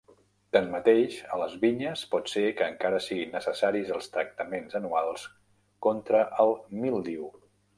Tanmateix, a les vinyes pot ser que encara siguin necessaris els tractaments anuals contra el míldiu.